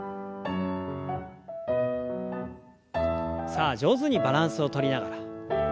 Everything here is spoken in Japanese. さあ上手にバランスをとりながら。